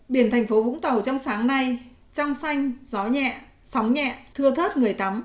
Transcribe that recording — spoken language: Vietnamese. biển thành phố vũng tàu trong sáng nay trong xanh gió nhẹ sóng nhẹ thưa thớt người tắm